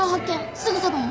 すぐそばよ。